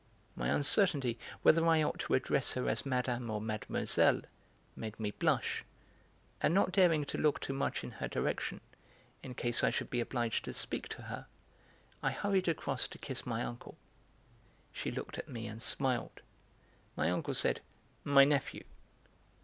My uncertainty whether I ought to address her as Madame or Mademoiselle made me blush, and not daring to look too much in her direction, in case I should be obliged to speak to her, I hurried across to kiss my uncle. She looked at me and smiled; my uncle said "My nephew!"